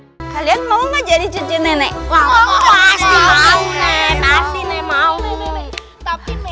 hai kalian mau jadi cucu nenek